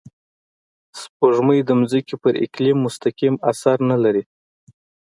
سپوږمۍ د ځمکې پر اقلیم مستقیم اثر نه لري